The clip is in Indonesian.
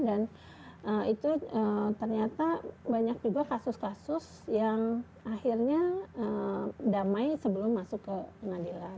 dan itu ternyata banyak juga kasus kasus yang akhirnya damai sebelum masuk ke pengadilan